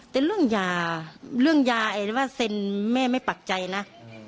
แต่เรื่องยาเรื่องยาไอ้ว่าเซ็นแม่ไม่ปักใจนะ